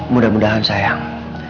mudah mudahan sayang kita bisa selesai